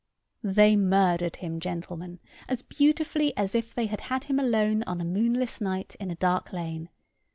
They murdered him, gentlemen, as beautifully as if they had had him alone on a moonless night in a dark lane.